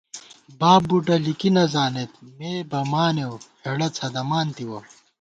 باب بُڈہ لِکی نہ زانېت مےبمانېؤ ہېڑہ څھدَمان تِوَہ